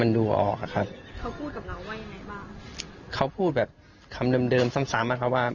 เขาพูดกับเราว่ายังไงบ้างเขาพูดแบบคำเดิมเดิมซ้ำซ้ำอะครับว่า